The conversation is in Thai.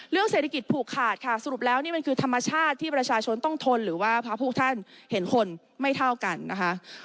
เศรษฐกิจผูกขาดค่ะสรุปแล้วนี่มันคือธรรมชาติที่ประชาชนต้องทนหรือว่าพระพวกท่านเห็นคนไม่เท่ากันนะคะ